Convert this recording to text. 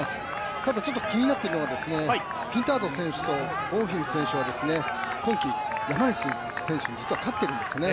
ただちょっと気になっているのは、ピンタード選手とボンフィム選手は、今季、山西選手に実は勝っているんですね。